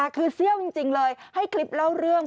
คือเซี่ยวจริงเลยให้คลิปเล่าเรื่อง